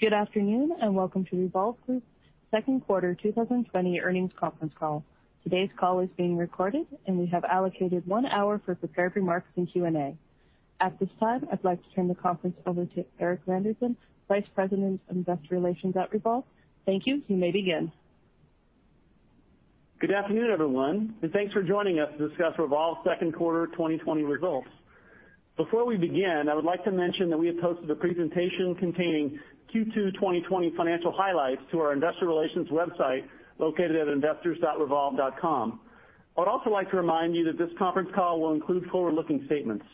Good afternoon and welcome to Revolve Group's second quarter 2020 earnings conference call. Today's call is being recorded, and we have allocated one hour for prepared remarks and Q&A. At this time, I'd like to turn the conference over to Erik Randerson, Vice President of Investor Relations at Revolve. Thank you. You may begin. Good afternoon, everyone, and thanks for joining us to discuss Revolve's second quarter 2020 results. Before we begin, I would like to mention that we have posted a presentation containing Q2 2020 financial highlights to our investor relations website located at investors.revolve.com. I would also like to remind you that this conference call will include forward-looking statements.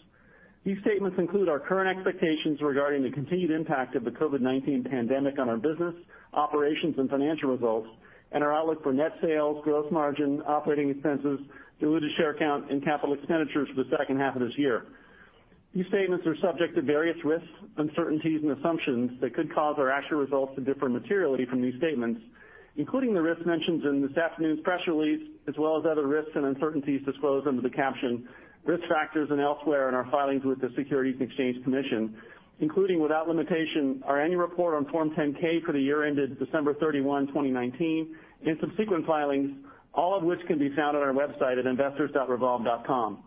These statements include our current expectations regarding the continued impact of the COVID-19 pandemic on our business, operations, and financial results, and our outlook for net sales, gross margin, operating expenses, diluted share count, and capital expenditures for the second half of this year. These statements are subject to various risks, uncertainties, and assumptions that could cause our actual results to differ materially from these statements, including the risks mentioned in this afternoon's press release, as well as other risks and uncertainties disclosed under the caption, Risk Factors, and elsewhere in our filings with the Securities and Exchange Commission, including, without limitation, our Annual Report on Form 10-K for the year ended December 31, 2019, and subsequent filings, all of which can be found on our website at investors.revolve.com.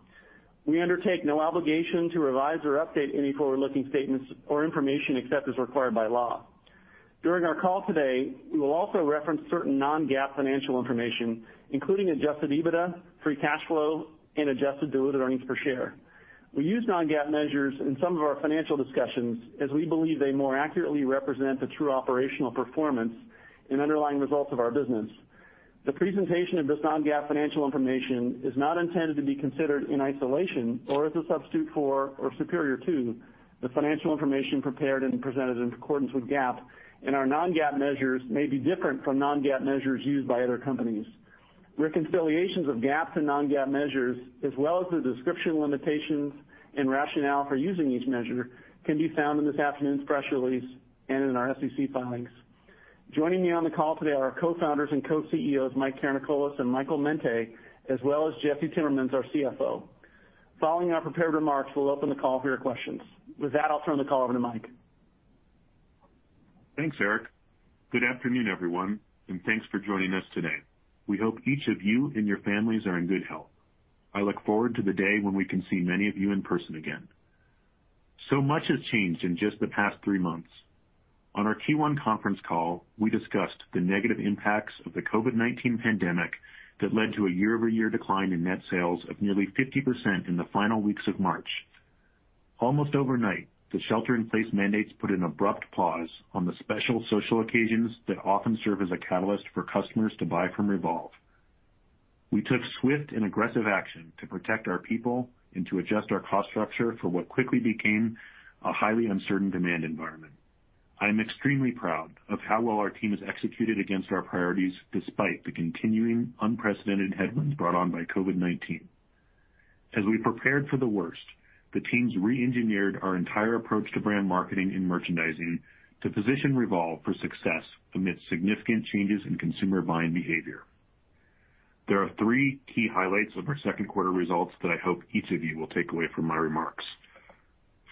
We undertake no obligation to revise or update any forward-looking statements or information except as required by law. During our call today, we will also reference certain non-GAAP financial information, including adjusted EBITDA, free cash flow, and adjusted diluted earnings per share. We use non-GAAP measures in some of our financial discussions as we believe they more accurately represent the true operational performance and underlying results of our business. The presentation of this non-GAAP financial information is not intended to be considered in isolation or as a substitute for or superior to the financial information prepared and presented in accordance with GAAP, and our non-GAAP measures may be different from non-GAAP measures used by other companies. Reconciliations of GAAP to non-GAAP measures, as well as the description, limitations, and rationale for using each measure, can be found in this afternoon's press release and in our SEC filings. Joining me on the call today are our co-founders and co-CEOs, Mike Karanikolas and Michael Mente, as well as Jesse Timmermans, our CFO. Following our prepared remarks, we'll open the call for your questions. With that, I'll turn the call over to Mike. Thanks, Erik. Good afternoon, everyone, and thanks for joining us today. We hope each of you and your families are in good health. I look forward to the day when we can see many of you in person again. So much has changed in just the past three months. On our Q1 conference call, we discussed the negative impacts of the COVID-19 pandemic that led to a year-over-year decline in net sales of nearly 50% in the final weeks of March. Almost overnight, the shelter-in-place mandates put an abrupt pause on the special social occasions that often serve as a catalyst for customers to buy from Revolve. We took swift and aggressive action to protect our people and to adjust our cost structure for what quickly became a highly uncertain demand environment. I am extremely proud of how well our team has executed against our priorities despite the continuing unprecedented headwinds brought on by COVID-19. As we prepared for the worst, the teams re-engineered our entire approach to brand marketing and merchandising to position Revolve for success amid significant changes in consumer buying behavior. There are three key highlights of our second quarter results that I hope each of you will take away from my remarks.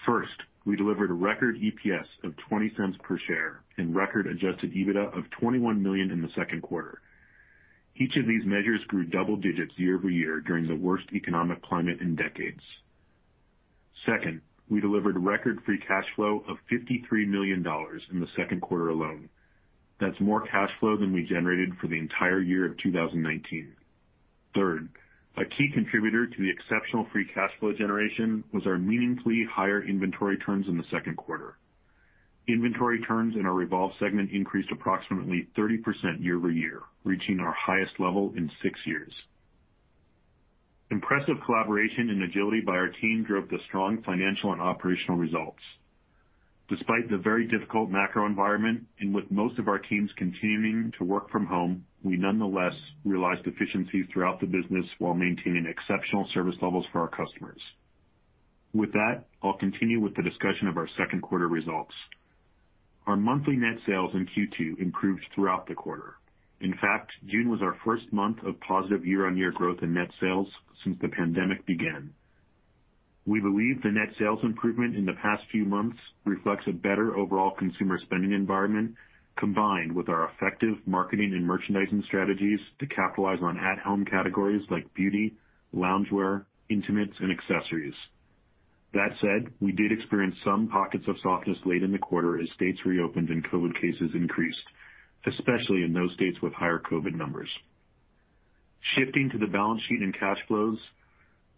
First, we delivered a record EPS of $0.20 per share and record adjusted EBITDA of $21 million in the second quarter. Each of these measures grew double digits year-over-year during the worst economic climate in decades. Second, we delivered record free cash flow of $53 million in the second quarter alone. That's more cash flow than we generated for the entire year of 2019. Third, a key contributor to the exceptional free cash flow generation was our meaningfully higher inventory turns in the second quarter. Inventory turns in our Revolve segment increased approximately 30% year-over-year, reaching our highest level in six years. Impressive collaboration and agility by our team drove the strong financial and operational results. Despite the very difficult macro environment and with most of our teams continuing to work from home, we nonetheless realized efficiencies throughout the business while maintaining exceptional service levels for our customers. With that, I'll continue with the discussion of our second quarter results. Our monthly net sales in Q2 improved throughout the quarter. In fact, June was our first month of positive year-on-year growth in net sales since the pandemic began. We believe the net sales improvement in the past few months reflects a better overall consumer spending environment combined with our effective marketing and merchandising strategies to capitalize on at-home categories like beauty, loungewear, intimates, and accessories. That said, we did experience some pockets of softness late in the quarter as states reopened and COVID cases increased, especially in those states with higher COVID numbers. Shifting to the balance sheet and cash flows,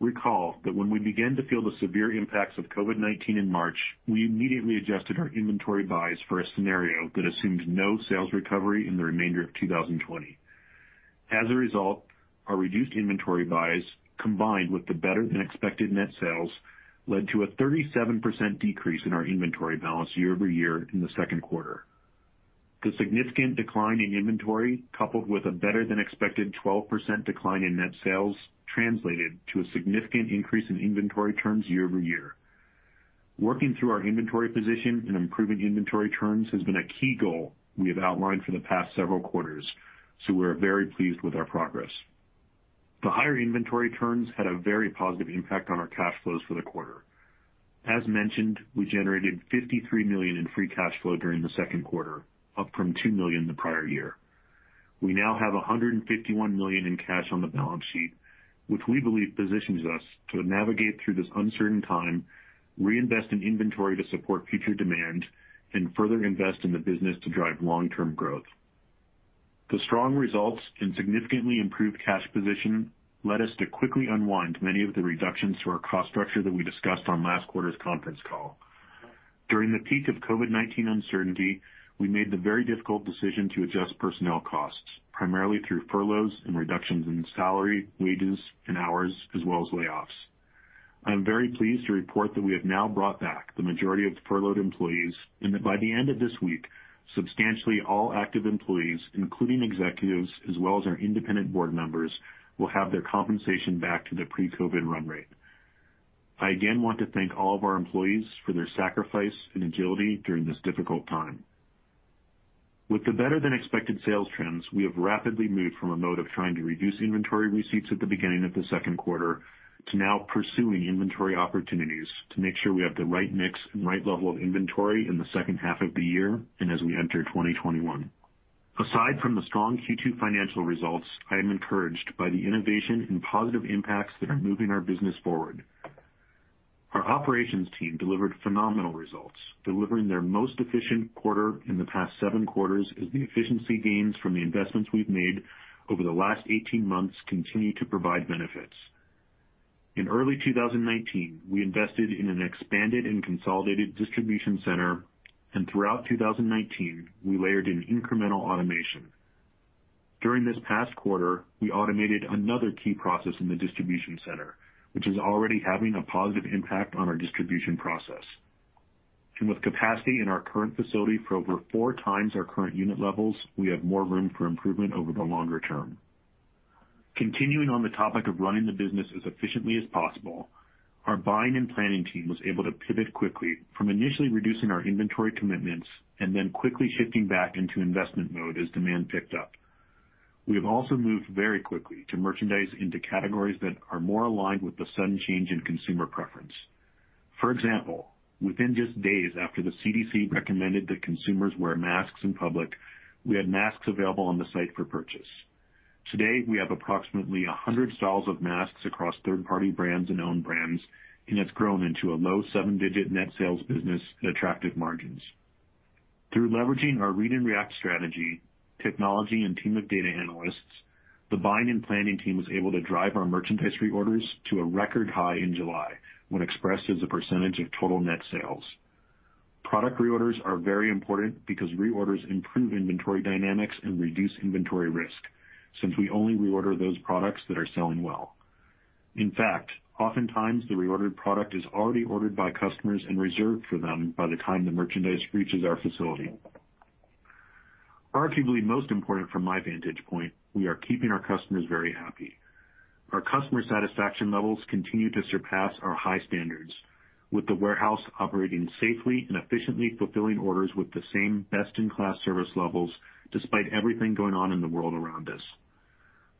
recall that when we began to feel the severe impacts of COVID-19 in March, we immediately adjusted our inventory buys for a scenario that assumed no sales recovery in the remainder of 2020. As a result, our reduced inventory buys combined with the better-than-expected net sales led to a 37% decrease in our inventory balance year-over-year in the second quarter. The significant decline in inventory, coupled with a better-than-expected 12% decline in net sales, translated to a significant increase in inventory turns year-over-year. Working through our inventory position and improving inventory turns has been a key goal we have outlined for the past several quarters, so we're very pleased with our progress. The higher inventory turns had a very positive impact on our cash flows for the quarter. As mentioned, we generated $53 million in free cash flow during the second quarter, up from $2 million the prior year. We now have $151 million in cash on the balance sheet, which we believe positions us to navigate through this uncertain time, reinvest in inventory to support future demand, and further invest in the business to drive long-term growth. The strong results and significantly improved cash position led us to quickly unwind many of the reductions to our cost structure that we discussed on last quarter's conference call. During the peak of COVID-19 uncertainty, we made the very difficult decision to adjust personnel costs, primarily through furloughs and reductions in salary, wages, and hours, as well as layoffs. I'm very pleased to report that we have now brought back the majority of the furloughed employees and that by the end of this week, substantially all active employees, including executives, as well as our independent board members, will have their compensation back to the pre-COVID run rate. I again want to thank all of our employees for their sacrifice and agility during this difficult time. With the better-than-expected sales trends, we have rapidly moved from a mode of trying to reduce inventory receipts at the beginning of the second quarter to now pursuing inventory opportunities to make sure we have the right mix and right level of inventory in the second half of the year and as we enter 2021. Aside from the strong Q2 financial results, I am encouraged by the innovation and positive impacts that are moving our business forward. Our operations team delivered phenomenal results, delivering their most efficient quarter in the past seven quarters as the efficiency gains from the investments we've made over the last 18 months continue to provide benefits. In early 2019, we invested in an expanded and consolidated distribution center, and throughout 2019, we layered in incremental automation. During this past quarter, we automated another key process in the distribution center, which is already having a positive impact on our distribution process, and with capacity in our current facility for over four times our current unit levels, we have more room for improvement over the longer term. Continuing on the topic of running the business as efficiently as possible, our buying and planning team was able to pivot quickly from initially reducing our inventory commitments and then quickly shifting back into investment mode as demand picked up. We have also moved very quickly to merchandise into categories that are more aligned with the sudden change in consumer preference. For example, within just days after the CDC recommended that consumers wear masks in public, we had masks available on the site for purchase. Today, we have approximately 100 styles of masks across third-party brands and owned brands, and it's grown into a low seven-digit net sales business at attractive margins. Through leveraging our Read and React strategy, technology, and team of data analysts, the buying and planning team was able to drive our merchandise reorders to a record high in July when expressed as a percentage of total net sales. Product reorders are very important because reorders improve inventory dynamics and reduce inventory risk since we only reorder those products that are selling well. In fact, oftentimes, the reordered product is already ordered by customers and reserved for them by the time the merchandise reaches our facility. Arguably most important from my vantage point, we are keeping our customers very happy. Our customer satisfaction levels continue to surpass our high standards, with the warehouse operating safely and efficiently fulfilling orders with the same best-in-class service levels despite everything going on in the world around us.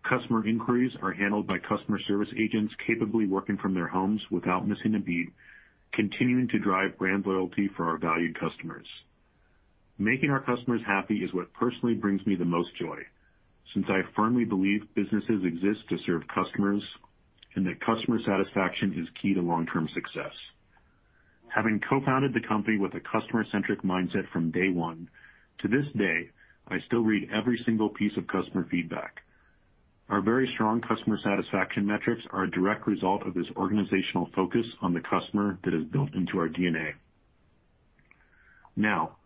Customer inquiries are handled by customer service agents capably working from their homes without missing a beat, continuing to drive brand loyalty for our valued customers. Making our customers happy is what personally brings me the most joy since I firmly believe businesses exist to serve customers and that customer satisfaction is key to long-term success. Having co-founded the company with a customer-centric mindset from day one, to this day, I still read every single piece of customer feedback. Our very strong customer satisfaction metrics are a direct result of this organizational focus on the customer that is built into our DNA. Now,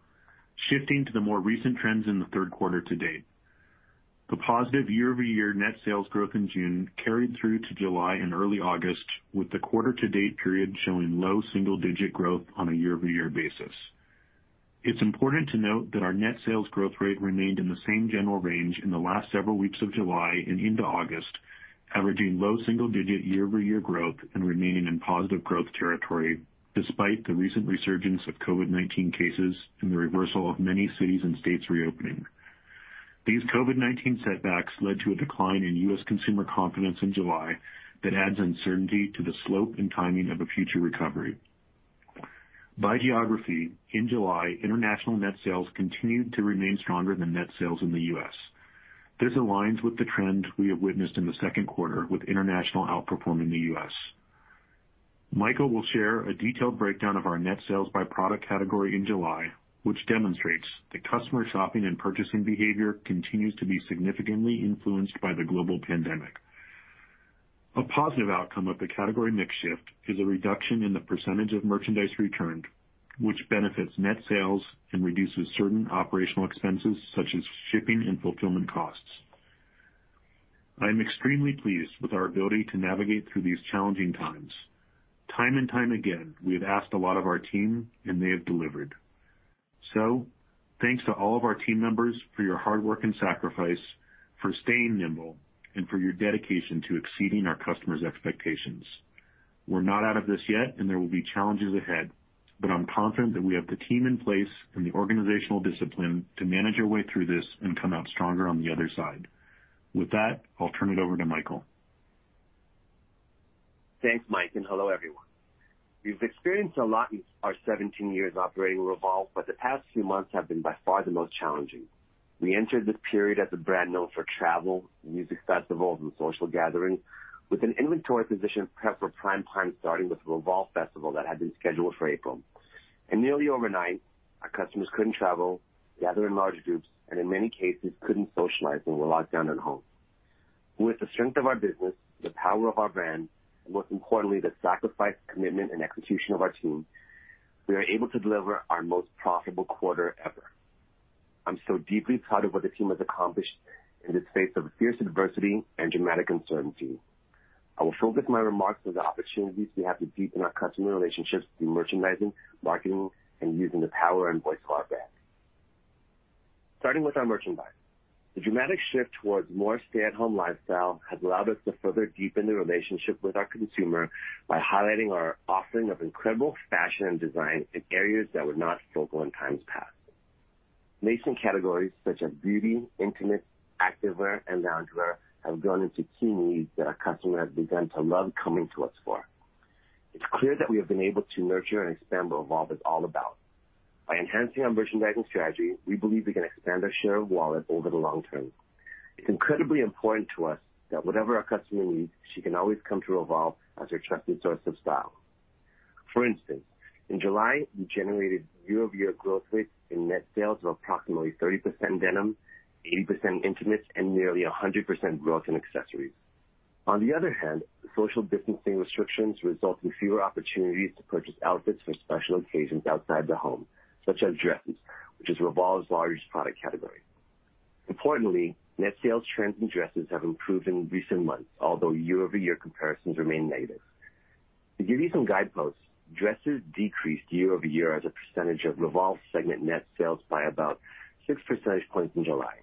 shifting to the more recent trends in the third quarter to date, the positive year-over-year net sales growth in June carried through to July and early August, with the quarter-to-date period showing low single-digit growth on a year-over-year basis. It's important to note that our net sales growth rate remained in the same general range in the last several weeks of July and into August, averaging low single-digit year-over-year growth and remaining in positive growth territory despite the recent resurgence of COVID-19 cases and the reversal of many cities and states reopening. These COVID-19 setbacks led to a decline in U.S. consumer confidence in July that adds uncertainty to the slope and timing of a future recovery. By geography, in July, international net sales continued to remain stronger than net sales in the U.S. This aligns with the trend we have witnessed in the second quarter with international outperforming the U.S. Michael will share a detailed breakdown of our net sales by product category in July, which demonstrates that customer shopping and purchasing behavior continues to be significantly influenced by the global pandemic. A positive outcome of the category mix shift is a reduction in the percentage of merchandise returned, which benefits net sales and reduces certain operational expenses such as shipping and fulfillment costs. I am extremely pleased with our ability to navigate through these challenging times. Time and time again, we have asked a lot of our team, and they have delivered. So, thanks to all of our team members for your hard work and sacrifice, for staying nimble, and for your dedication to exceeding our customers' expectations. We're not out of this yet, and there will be challenges ahead, but I'm confident that we have the team in place and the organizational discipline to manage our way through this and come out stronger on the other side. With that, I'll turn it over to Michael. Thanks, Mike, and hello, everyone. We've experienced a lot in our 17 years operating Revolve, but the past few months have been by far the most challenging. We entered this period as a brand known for travel, music festivals, and social gatherings, with an inventory position prepped for prime time starting with the Revolve Festival that had been scheduled for April, and nearly overnight, our customers couldn't travel, gather in large groups, and in many cases, couldn't socialize and were locked down at home. With the strength of our business, the power of our brand, and most importantly, the sacrifice, commitment, and execution of our team, we are able to deliver our most profitable quarter ever. I'm so deeply proud of what the team has accomplished in the face of fierce adversity and dramatic uncertainty. I will focus my remarks on the opportunities we have to deepen our customer relationships through merchandising, marketing, and using the power and voice of our brand. Starting with our merchandise, the dramatic shift towards more stay-at-home lifestyle has allowed us to further deepen the relationship with our consumer by highlighting our offering of incredible fashion and design in areas that were not focal in times past. Main categories such as beauty, intimate, activewear, and loungewear have grown into key needs that our customers have begun to love coming to us for. It's clear that we have been able to nurture and expand what Revolve is all about. By enhancing our merchandising strategy, we believe we can expand our share of wallet over the long term. It's incredibly important to us that whatever our customer needs, she can always come to Revolve as her trusted source of style. For instance, in July, we generated year-over-year growth rates in net sales of approximately 30% denim, 80% intimates, and nearly 100% growth in accessories. On the other hand, social distancing restrictions result in fewer opportunities to purchase outfits for special occasions outside the home, such as dresses, which is Revolve's largest product category. Importantly, net sales trends in dresses have improved in recent months, although year-over-year comparisons remain negative. To give you some guideposts, dresses decreased year-over-year as a percentage of Revolve segment net sales by about 6 percentage points in July.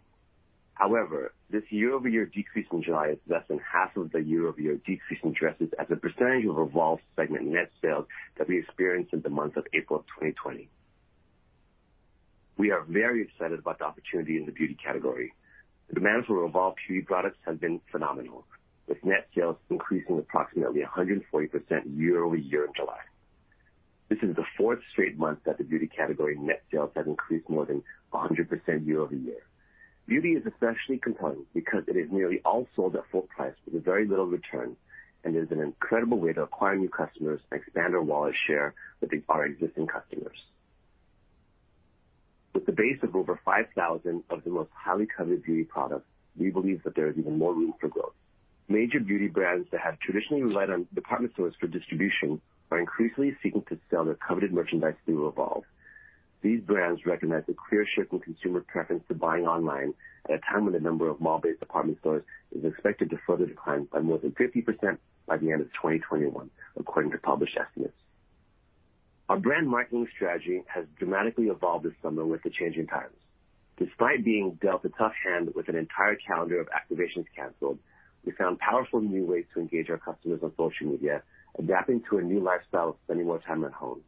However, this year-over-year decrease in July is less than half of the year-over-year decrease in dresses as a percentage of Revolve segment net sales that we experienced in the month of April of 2020. We are very excited about the opportunity in the beauty category. The demand for Revolve Beauty products has been phenomenal, with net sales increasing approximately 140% year-over-year in July. This is the fourth straight month that the beauty category net sales have increased more than 100% year-over-year. Beauty is especially compelling because it is nearly all sold at full price with very little return, and it is an incredible way to acquire new customers and expand our wallet share with our existing customers. With the base of over 5,000 of the most highly coveted beauty products, we believe that there is even more room for growth. Major beauty brands that have traditionally relied on department stores for distribution are increasingly seeking to sell their coveted merchandise through Revolve. These brands recognize the clear shift in consumer preference to buying online at a time when the number of mall-based department stores is expected to further decline by more than 50% by the end of 2021, according to published estimates. Our brand marketing strategy has dramatically evolved this summer with the changing times. Despite being dealt a tough hand with an entire calendar of activations canceled, we found powerful new ways to engage our customers on social media, adapting to a new lifestyle of spending more time at home.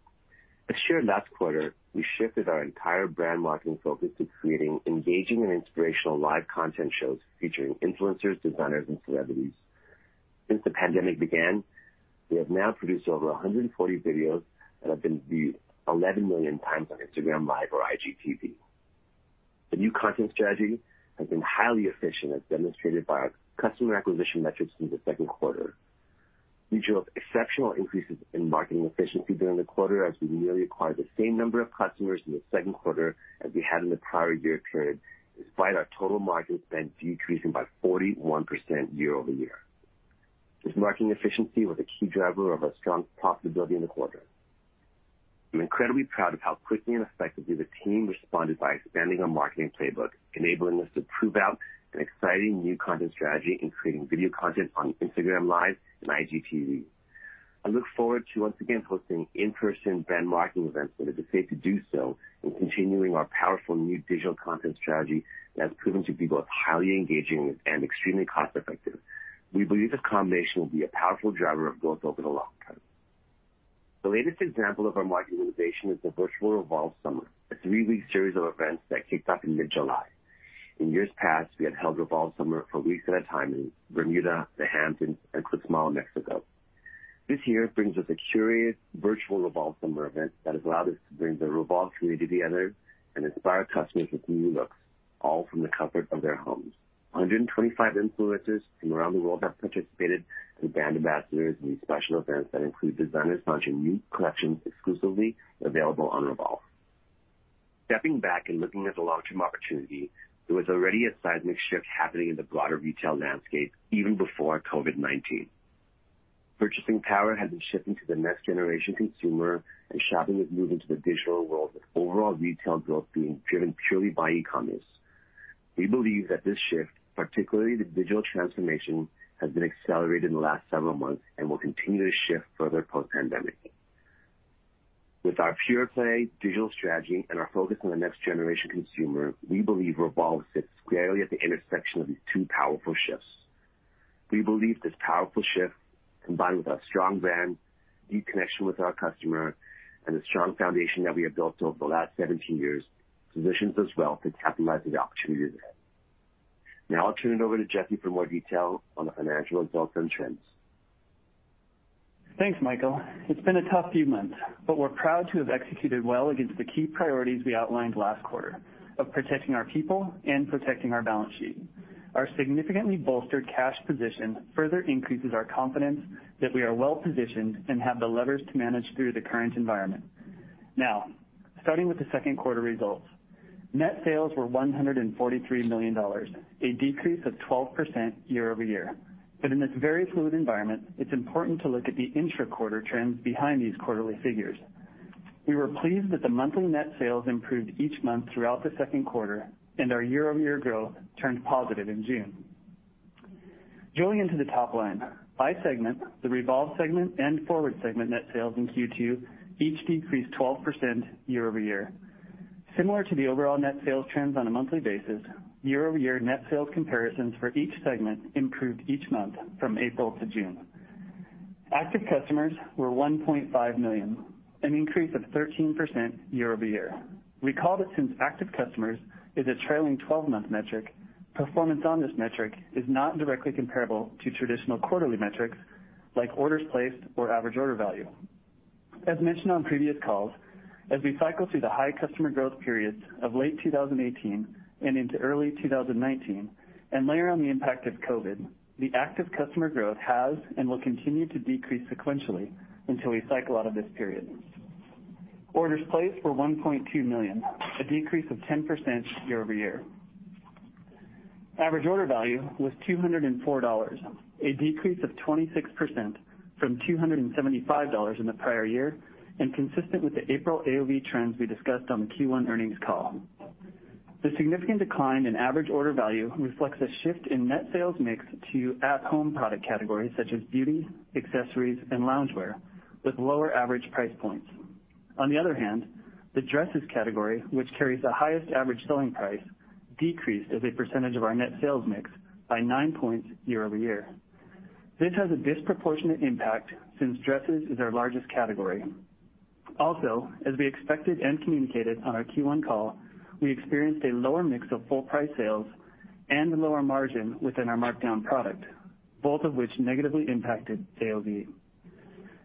As shared last quarter, we shifted our entire brand marketing focus to creating engaging and inspirational live content shows featuring influencers, designers, and celebrities. Since the pandemic began, we have now produced over 140 videos that have been viewed 11 million times on Instagram Live or IGTV. The new content strategy has been highly efficient, as demonstrated by our customer acquisition metrics in the second quarter. We drove exceptional increases in marketing efficiency during the quarter as we nearly acquired the same number of customers in the second quarter as we had in the prior year period, despite our total market spend decreasing by 41% year-over-year. This marketing efficiency was a key driver of our strong profitability in the quarter. I'm incredibly proud of how quickly and effectively the team responded by expanding our marketing playbook, enabling us to prove out an exciting new content strategy in creating video content on Instagram Live and IGTV. I look forward to once again hosting in-person brand marketing events, and it is safe to do so in continuing our powerful new digital content strategy that has proven to be both highly engaging and extremely cost-effective. We believe this combination will be a powerful driver of growth over the long term. The latest example of our marketing innovation is the Virtual Revolve Summer, a three-week series of events that kicked off in mid-July. In years past, we had held Revolve Summer for weeks at a time in Bermuda, The Hamptons, and Cuixmala, Mexico. This year brings us a curious Virtual Revolve Summer event that has allowed us to bring the Revolve community together and inspire customers with new looks, all from the comfort of their homes. 125 influencers from around the world have participated as brand ambassadors in these special events that include designers launching new collections exclusively available on Revolve. Stepping back and looking at the long-term opportunity, there was already a seismic shift happening in the broader retail landscape even before COVID-19. Purchasing power has been shifting to the next generation consumer, and shopping has moved into the digital world, with overall retail growth being driven purely by e-commerce. We believe that this shift, particularly the digital transformation, has been accelerated in the last several months and will continue to shift further post-pandemic. With our pure-play digital strategy and our focus on the next generation consumer, we believe Revolve sits squarely at the intersection of these two powerful shifts. We believe this powerful shift, combined with our strong brand, deep connection with our customer, and the strong foundation that we have built over the last 17 years, positions us well to capitalize on the opportunities ahead. Now, I'll turn it over to Jesse for more detail on the financial results and trends. Thanks, Michael. It's been a tough few months, but we're proud to have executed well against the key priorities we outlined last quarter of protecting our people and protecting our balance sheet. Our significantly bolstered cash position further increases our confidence that we are well-positioned and have the levers to manage through the current environment. Now, starting with the second quarter results, net sales were $143 million, a decrease of 12% year-over-year, but in this very fluid environment, it's important to look at the intra-quarter trends behind these quarterly figures. We were pleased that the monthly net sales improved each month throughout the second quarter, and our year-over-year growth turned positive in June. Drilling into the top line, by segment, the Revolve segment and Forward segment net sales in Q2 each decreased 12% year-over-year. Similar to the overall net sales trends on a monthly basis, year-over-year net sales comparisons for each segment improved each month from April to June. Active customers were 1.5 million, an increase of 13% year-over-year. Recall that since active customers is a trailing 12-month metric, performance on this metric is not directly comparable to traditional quarterly metrics like orders placed or average order value. As mentioned on previous calls, as we cycle through the high customer growth periods of late 2018 and into early 2019, and layer on the impact of COVID, the active customer growth has and will continue to decrease sequentially until we cycle out of this period. Orders placed were 1.2 million, a decrease of 10% year-over-year. Average order value was $204, a decrease of 26% from $275 in the prior year and consistent with the April AOV trends we discussed on the Q1 earnings call. The significant decline in average order value reflects a shift in net sales mix to at-home product categories such as beauty, accessories, and loungewear, with lower average price points. On the other hand, the dresses category, which carries the highest average selling price, decreased as a percentage of our net sales mix by nine points year-over-year. This has a disproportionate impact since dresses is our largest category. Also, as we expected and communicated on our Q1 call, we experienced a lower mix of full-price sales and a lower margin within our markdown product, both of which negatively impacted AOV.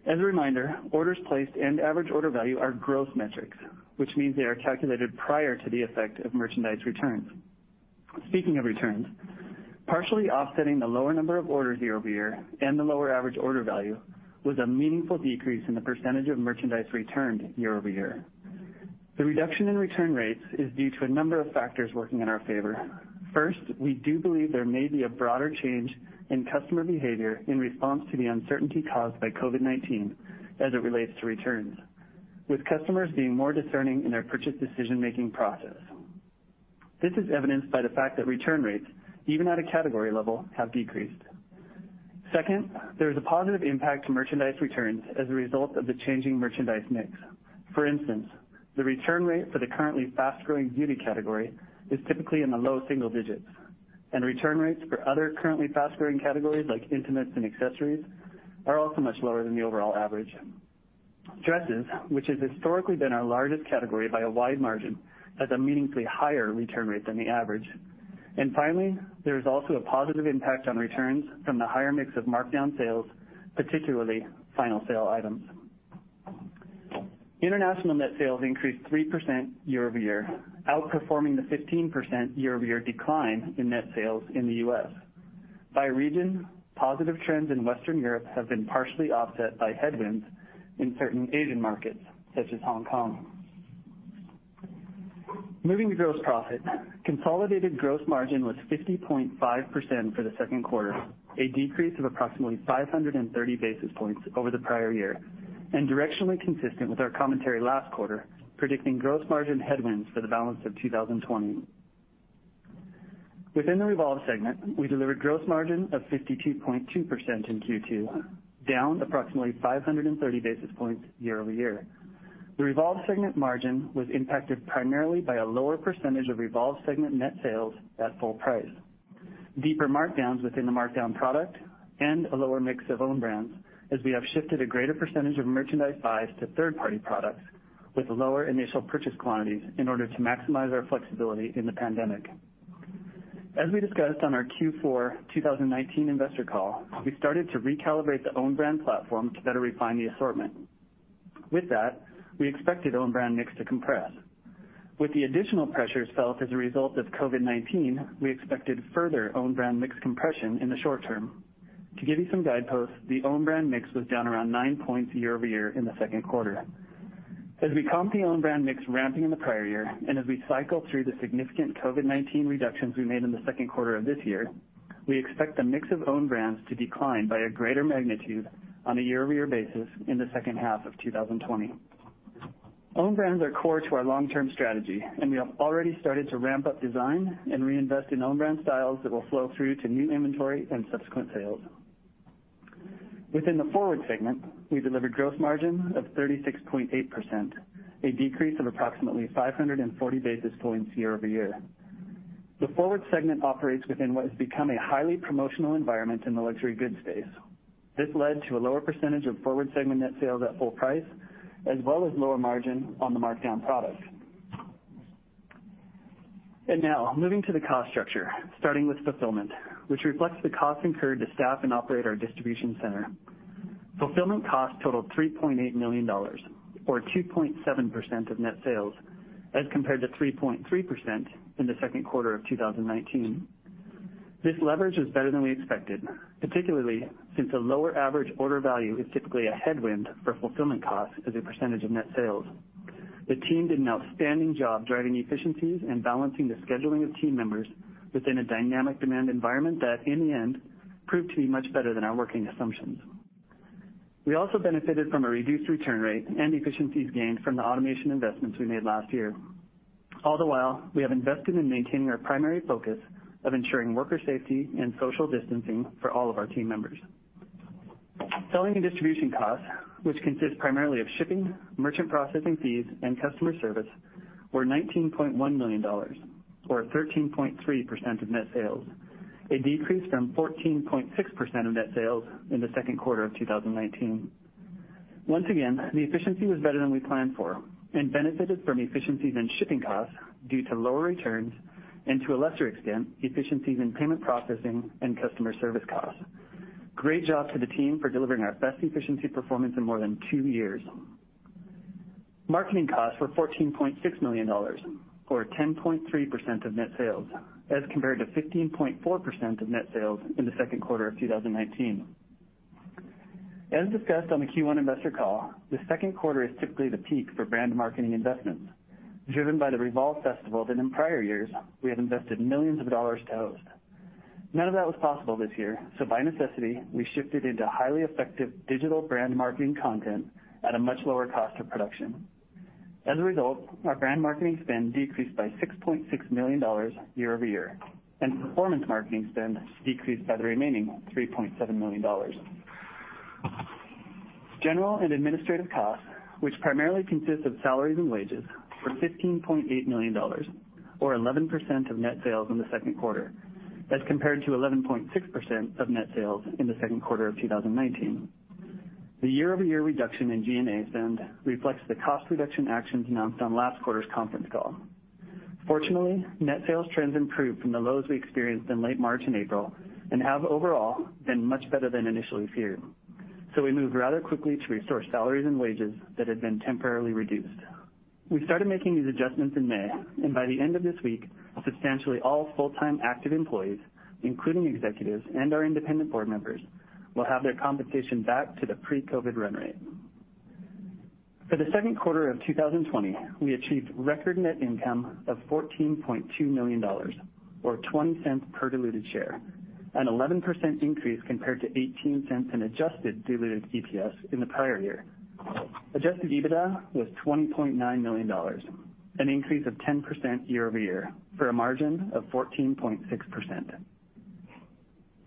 As a reminder, orders placed and average order value are growth metrics, which means they are calculated prior to the effect of merchandise returns. Speaking of returns, partially offsetting the lower number of orders year-over-year and the lower average order value was a meaningful decrease in the percentage of merchandise returned year-over-year. The reduction in return rates is due to a number of factors working in our favor. First, we do believe there may be a broader change in customer behavior in response to the uncertainty caused by COVID-19 as it relates to returns, with customers being more discerning in their purchase decision-making process. This is evidenced by the fact that return rates, even at a category level, have decreased. Second, there is a positive impact to merchandise returns as a result of the changing merchandise mix. For instance, the return rate for the currently fast-growing beauty category is typically in the low single digits, and return rates for other currently fast-growing categories like intimates and accessories are also much lower than the overall average. Dresses, which has historically been our largest category by a wide margin, has a meaningfully higher return rate than the average. And finally, there is also a positive impact on returns from the higher mix of markdown sales, particularly final sale items. International net sales increased 3% year-over-year, outperforming the 15% year-over-year decline in net sales in the U.S. By region, positive trends in Western Europe have been partially offset by headwinds in certain Asian markets such as Hong Kong. Moving to gross profit, consolidated gross margin was 50.5% for the second quarter, a decrease of approximately 530 basis points over the prior year, and directionally consistent with our commentary last quarter predicting gross margin headwinds for the balance of 2020. Within the Revolve segment, we delivered gross margin of 52.2% in Q2, down approximately 530 basis points year-over-year. The Revolve segment margin was impacted primarily by a lower percentage of Revolve segment net sales at full price, deeper markdowns within the markdown product, and a lower mix of own brands as we have shifted a greater percentage of merchandise buys to third-party products with lower initial purchase quantities in order to maximize our flexibility in the pandemic. As we discussed on our Q4 2019 investor call, we started to recalibrate the own brand platform to better refine the assortment. With that, we expected own brand mix to compress. With the additional pressures felt as a result of COVID-19, we expected further own brand mix compression in the short term. To give you some guideposts, the own brand mix was down around 9 points year-over-year in the second quarter. As we comp the own brand mix ramping in the prior year and as we cycle through the significant COVID-19 reductions we made in the second quarter of this year, we expect the mix of own brands to decline by a greater magnitude on a year-over-year basis in the second half of 2020. Own brands are core to our long-term strategy, and we have already started to ramp up design and reinvest in own brand styles that will flow through to new inventory and subsequent sales. Within the Forward segment, we delivered gross margin of 36.8%, a decrease of approximately 540 basis points year-over-year. The Forward segment operates within what has become a highly promotional environment in the luxury goods space. This led to a lower percentage of Forward segment net sales at full price, as well as lower margin on the markdown product. And now, moving to the cost structure, starting with fulfillment, which reflects the cost incurred to staff and operate our distribution center. Fulfillment cost totaled $3.8 million, or 2.7% of net sales, as compared to 3.3% in the second quarter of 2019. This leverage was better than we expected, particularly since a lower average order value is typically a headwind for fulfillment costs as a percentage of net sales. The team did an outstanding job driving efficiencies and balancing the scheduling of team members within a dynamic demand environment that, in the end, proved to be much better than our working assumptions. We also benefited from a reduced return rate and efficiencies gained from the automation investments we made last year. All the while, we have invested in maintaining our primary focus of ensuring worker safety and social distancing for all of our team members. Selling and distribution costs, which consist primarily of shipping, merchant processing fees, and customer service, were $19.1 million, or 13.3% of net sales, a decrease from 14.6% of net sales in the second quarter of 2019. Once again, the efficiency was better than we planned for and benefited from efficiencies in shipping costs due to lower returns and, to a lesser extent, efficiencies in payment processing and customer service costs. Great job to the team for delivering our best efficiency performance in more than two years. Marketing costs were $14.6 million, or 10.3% of net sales, as compared to 15.4% of net sales in the second quarter of 2019. As discussed on the Q1 investor call, the second quarter is typically the peak for brand marketing investments driven by the Revolve Festival that, in prior years, we have invested millions of dollars to host. None of that was possible this year, so by necessity, we shifted into highly effective digital brand marketing content at a much lower cost of production. As a result, our brand marketing spend decreased by $6.6 million year-over-year, and performance marketing spend decreased by the remaining $3.7 million. General and administrative costs, which primarily consist of salaries and wages, were $15.8 million, or 11% of net sales in the second quarter, as compared to 11.6% of net sales in the second quarter of 2019. The year-over-year reduction in G&A spend reflects the cost reduction actions announced on last quarter's conference call. Fortunately, net sales trends improved from the lows we experienced in late March and April and have, overall, been much better than initially feared, so we moved rather quickly to restore salaries and wages that had been temporarily reduced. We started making these adjustments in May, and by the end of this week, substantially all full-time active employees, including executives and our independent board members, will have their compensation back to the pre-COVID run rate. For the second quarter of 2020, we achieved record net income of $14.2 million, or $0.20 per diluted share, an 11% increase compared to $0.18 in adjusted diluted EPS in the prior year. Adjusted EBITDA was $20.9 million, an increase of 10% year-over-year, for a margin of 14.6%.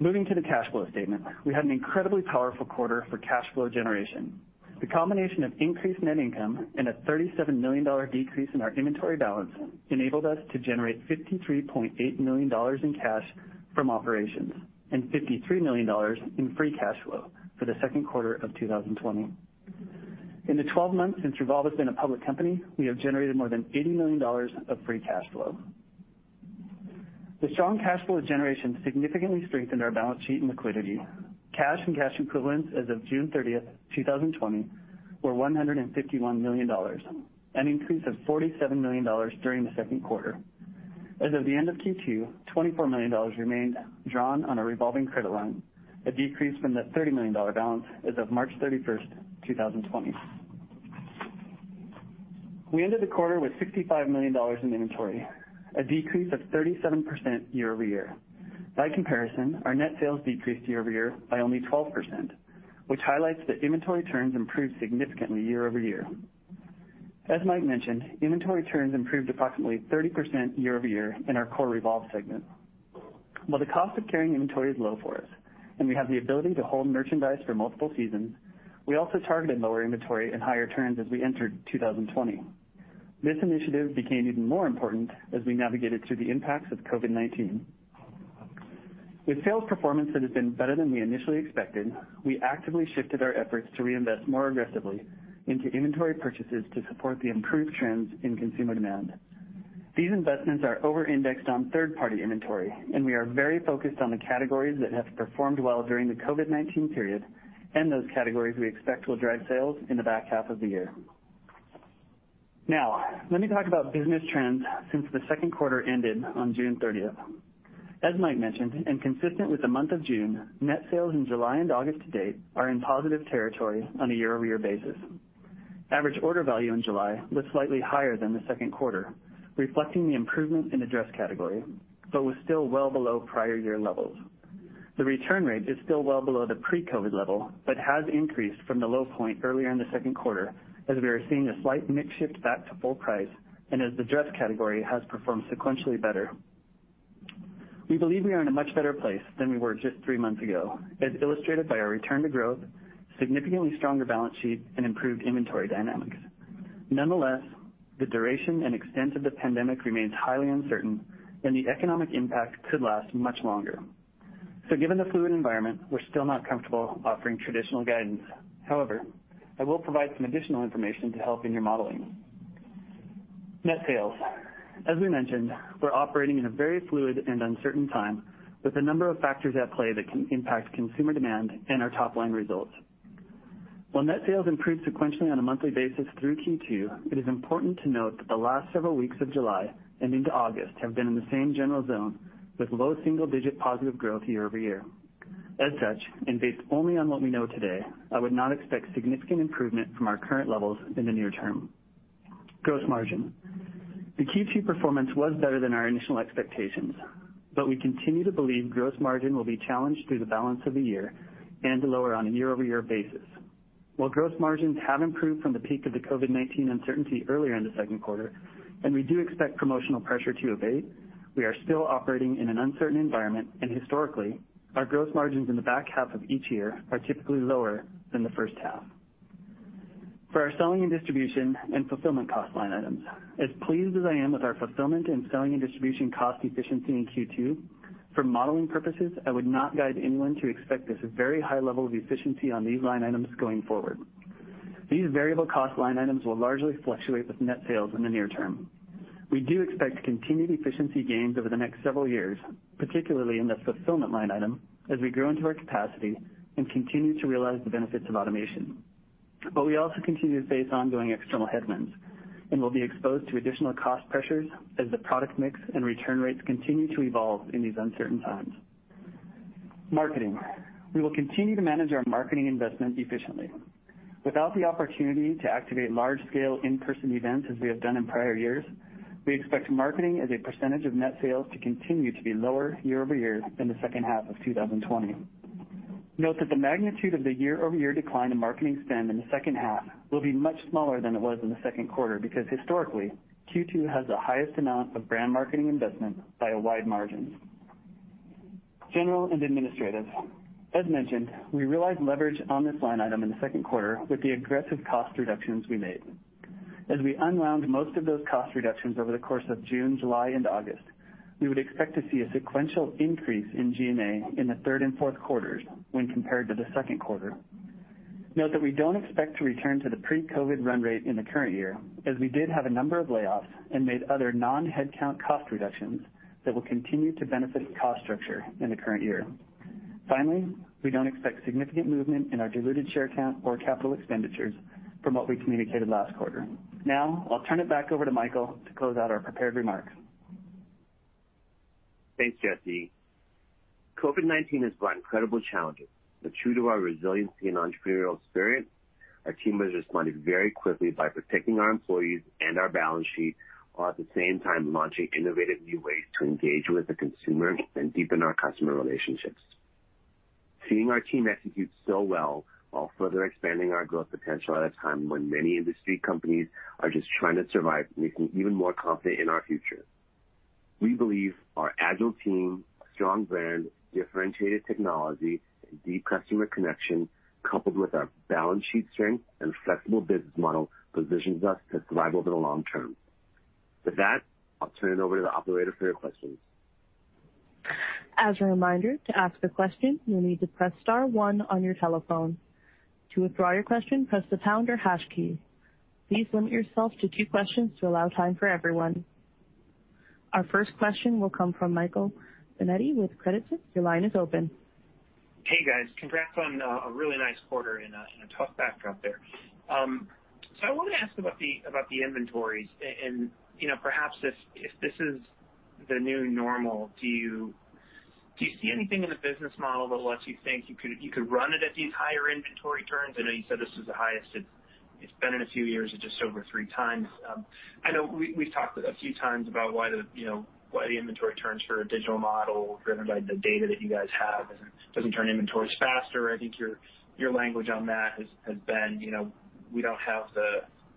Moving to the cash flow statement, we had an incredibly powerful quarter for cash flow generation. The combination of increased net income and a $37 million decrease in our inventory balance enabled us to generate $53.8 million in cash from operations and $53 million in free cash flow for the second quarter of 2020. In the 12 months since Revolve has been a public company, we have generated more than $80 million of free cash flow. The strong cash flow generation significantly strengthened our balance sheet and liquidity. Cash and cash equivalents as of June 30, 2020, were $151 million, an increase of $47 million during the second quarter. As of the end of Q2, $24 million remained drawn on a revolving credit line, a decrease from the $30 million balance as of March 31st, 2020. We ended the quarter with $65 million in inventory, a decrease of 37% year-over-year. By comparison, our net sales decreased year-over-year by only 12%, which highlights that inventory turns improved significantly year-over-year. As Mike mentioned, inventory turns improved approximately 30% year-over-year in our core Revolve segment. While the cost of carrying inventory is low for us and we have the ability to hold merchandise for multiple seasons, we also targeted lower inventory and higher turns as we entered 2020. This initiative became even more important as we navigated through the impacts of COVID-19. With sales performance that has been better than we initially expected, we actively shifted our efforts to reinvest more aggressively into inventory purchases to support the improved trends in consumer demand. These investments are over-indexed on third-party inventory, and we are very focused on the categories that have performed well during the COVID-19 period and those categories we expect will drive sales in the back half of the year. Now, let me talk about business trends since the second quarter ended on June 30th. As Mike mentioned, and consistent with the month of June, net sales in July and August to date are in positive territory on a year-over-year basis. Average order value in July was slightly higher than the second quarter, reflecting the improvement in the dress category, but was still well below prior year levels. The return rate is still well below the pre-COVID level but has increased from the low point earlier in the second quarter as we are seeing a slight mix shift back to full price and as the dress category has performed sequentially better. We believe we are in a much better place than we were just three months ago, as illustrated by our return to growth, significantly stronger balance sheet, and improved inventory dynamics. Nonetheless, the duration and extent of the pandemic remains highly uncertain, and the economic impact could last much longer. So, given the fluid environment, we're still not comfortable offering traditional guidance. However, I will provide some additional information to help in your modeling. Net sales. As we mentioned, we're operating in a very fluid and uncertain time with a number of factors at play that can impact consumer demand and our top-line results. While net sales improved sequentially on a monthly basis through Q2, it is important to note that the last several weeks of July and into August have been in the same general zone with low single-digit positive growth year-over-year. As such, and based only on what we know today, I would not expect significant improvement from our current levels in the near term. Gross margin. The Q2 performance was better than our initial expectations, but we continue to believe gross margin will be challenged through the balance of the year and lower on a year-over-year basis. While gross margins have improved from the peak of the COVID-19 uncertainty earlier in the second quarter, and we do expect promotional pressure to abate, we are still operating in an uncertain environment, and historically, our gross margins in the back half of each year are typically lower than the first half. For our selling and distribution and fulfillment cost line items, as pleased as I am with our fulfillment and selling and distribution cost efficiency in Q2, for modeling purposes, I would not guide anyone to expect this very high level of efficiency on these line items going forward. These variable cost line items will largely fluctuate with net sales in the near term. We do expect continued efficiency gains over the next several years, particularly in the fulfillment line item, as we grow into our capacity and continue to realize the benefits of automation. But we also continue to face ongoing external headwinds and will be exposed to additional cost pressures as the product mix and return rates continue to evolve in these uncertain times. Marketing. We will continue to manage our marketing investment efficiently. Without the opportunity to activate large-scale in-person events as we have done in prior years, we expect marketing as a percentage of net sales to continue to be lower year-over-year in the second half of 2020. Note that the magnitude of the year-over-year decline in marketing spend in the second half will be much smaller than it was in the second quarter because, historically, Q2 has the highest amount of brand marketing investment by a wide margin. General and administrative. As mentioned, we realized leverage on this line item in the second quarter with the aggressive cost reductions we made. As we unwound most of those cost reductions over the course of June, July, and August, we would expect to see a sequential increase in G&A in the third and fourth quarters when compared to the second quarter. Note that we don't expect to return to the pre-COVID run rate in the current year, as we did have a number of layoffs and made other non-headcount cost reductions that will continue to benefit the cost structure in the current year. Finally, we don't expect significant movement in our diluted share count or capital expenditures from what we communicated last quarter. Now, I'll turn it back over to Michael to close out our prepared remarks. Thanks, Jesse. COVID-19 has brought incredible challenges, but true to our resiliency and entrepreneurial spirit, our team has responded very quickly by protecting our employees and our balance sheet while at the same time launching innovative new ways to engage with the consumer and deepen our customer relationships. Seeing our team execute so well while further expanding our growth potential at a time when many industry companies are just trying to survive makes me even more confident in our future. We believe our agile team, strong brand, differentiated technology, and deep customer connection, coupled with our balance sheet strength and flexible business model, positions us to thrive over the long term. With that, I'll turn it over to the operator for your questions. As a reminder, to ask a question, you'll need to press star one on your telephone. To withdraw your question, press the pound or hash key. Please limit yourself to two questions to allow time for everyone. Our first question will come from Michael Binetti with Credit Suisse. Your line is open. Hey, guys. Congrats on a really nice quarter and a tough backdrop there. So I wanted to ask about the inventories and perhaps if this is the new normal, do you see anything in the business model that lets you think you could run it at these higher inventory turns? I know you said this was the highest. It's been in a few years. It's just over three times. I know we've talked a few times about why the inventory turns for a digital model driven by the data that you guys have doesn't turn inventories faster. I think your language on that has been, "We don't have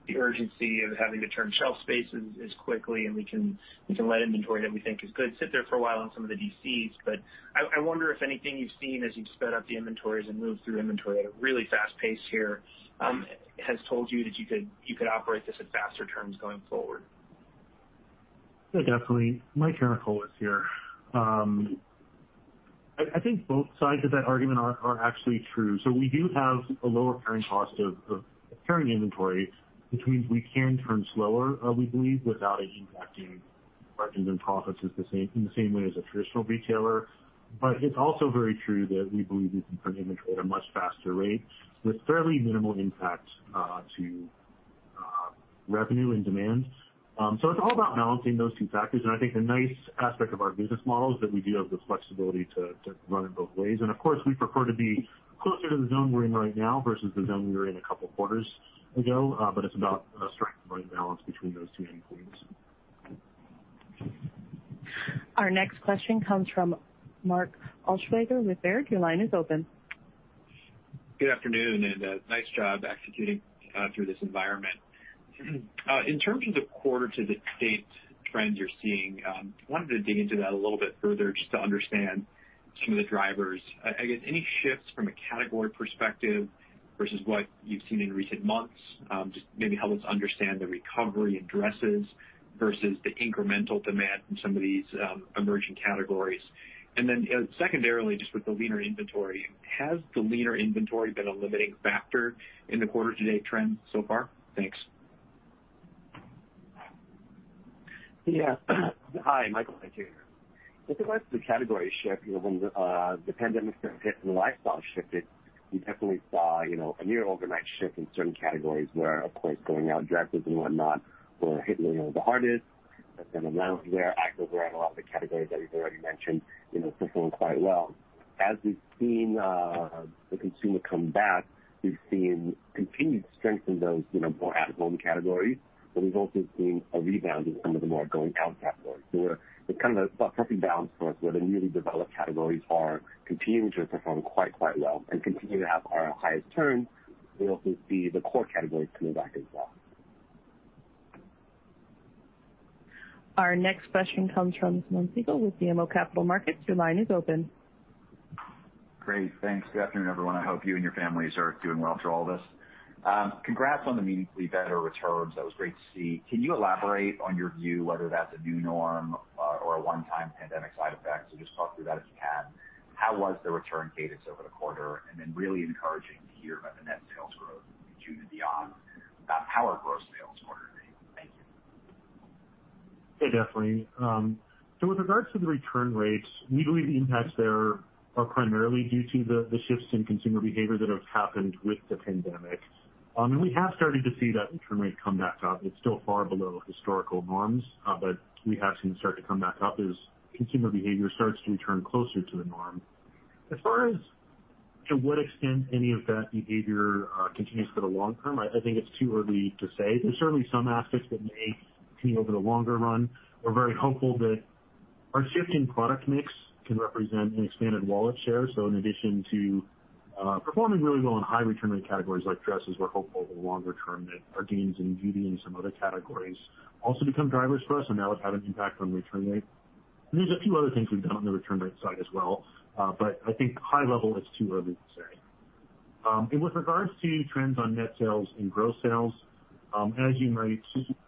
the urgency of having to turn shelf spaces as quickly, and we can let inventory that we think is good sit there for a while in some of the DCs." But I wonder if anything you've seen as you've sped up the inventories and moved through inventory at a really fast pace here has told you that you could operate this at faster turns going forward. Yeah, definitely. Mike Karanikolas is here. I think both sides of that argument are actually true. So we do have a lower carrying cost of carrying inventory, which means we can turn slower, we believe, without it impacting margins and profits in the same way as a traditional retailer. But it's also very true that we believe we can turn inventory at a much faster rate with fairly minimal impact to revenue and demand. So it's all about balancing those two factors. And I think a nice aspect of our business model is that we do have the flexibility to run it both ways. And of course, we prefer to be closer to the zone we're in right now versus the zone we were in a couple of quarters ago, but it's about a strength-to-strength balance between those two endpoints. Our next question comes from Mark Altschwager with Baird. Your line is open. Good afternoon and nice job executing through this environment. In terms of the quarter-to-date trends you're seeing, I wanted to dig into that a little bit further just to understand some of the drivers. I guess any shifts from a category perspective versus what you've seen in recent months just maybe help us understand the recovery in dresses versus the incremental demand from some of these emerging categories. And then secondarily, just with the leaner inventory, has the leaner inventory been a limiting factor in the quarter-to-date trends so far? Thanks. Yeah. Hi, Michael Mente here. With regards to the category shift here, when the pandemic has hit and the lifestyle shifted, we definitely saw a near overnight shift in certain categories where, of course, going out dresses and whatnot were hit the hardest. But then around there, I think we're at a lot of the categories that we've already mentioned performing quite well. As we've seen the consumer come back, we've seen continued strength in those more at-home categories, but we've also seen a rebound in some of the more going-out categories. So it's kind of a perfect balance for us where the newly developed categories are continuing to perform quite, quite well and continue to have our highest turns. We also see the core categories coming back as well. Our next question comes from Simeon Siegel with BMO Capital Markets. Your line is open. Great. Thanks. Good afternoon, everyone. I hope you and your families are doing well through all this. Congrats on the beat and the better returns. That was great to see. Can you elaborate on your view, whether that's a new norm or a one-time pandemic side effect? So just talk through that if you can. How was the return cadence over the quarter? And then it's really encouraging to hear about the net sales growth in June and beyond. What about how our gross sales compared quarter-over-quarter? Thank you. Yeah, definitely. So with regards to the return rates, we believe the impacts there are primarily due to the shifts in consumer behavior that have happened with the pandemic. And we have started to see that return rate come back up. It's still far below historical norms, but we have seen it start to come back up as consumer behavior starts to return closer to the norm. As far as to what extent any of that behavior continues for the long term, I think it's too early to say. There's certainly some aspects that may continue over the longer run. We're very hopeful that our shift in product mix can represent an expanded wallet share. So in addition to performing really well in high return rate categories like dresses, we're hopeful over the longer term that our gains in beauty and some other categories also become drivers for us and now would have an impact on return rate. And there's a few other things we've done on the return rate side as well, but I think high level, it's too early to say. And with regards to trends on net sales and gross sales, as you might